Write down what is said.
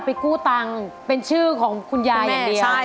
กู้ตังค์เป็นชื่อของคุณยายอย่างเดียวใช่